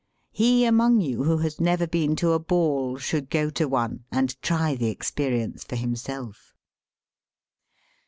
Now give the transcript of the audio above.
He among you who has never been to a ball should go to one and try the experience for himself.